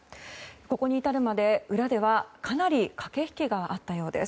ここに至るまで、裏ではかなり駆け引きがあったようです。